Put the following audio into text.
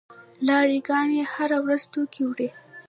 لاری ګانې هره ورځ توکي وړي.